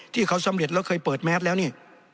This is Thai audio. ที่เขาสำเร็จแล้วเคยเปิดแมสแล้วเนี่ย